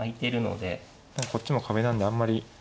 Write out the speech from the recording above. こっちも壁なんであんまり。